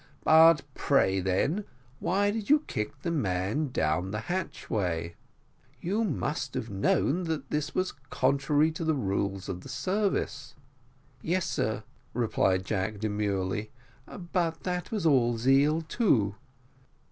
But pray, then, why did you kick the man down the hatchway? you must have known that that was contrary to the rules of the service." "Yes, sir," replied Jack demurely, "but that was all zeal too."